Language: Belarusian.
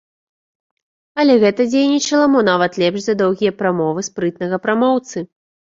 Але гэта дзейнічала мо нават лепш за доўгія прамовы спрытнага прамоўцы.